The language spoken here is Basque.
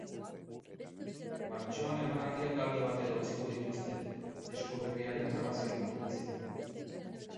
Martxoan emanaldiak alde batera utziko dituzte, disko berriaren grabazioan murgiltzeko.